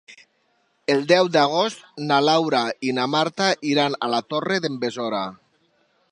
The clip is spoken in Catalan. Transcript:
El deu d'agost na Laura i na Marta iran a la Torre d'en Besora.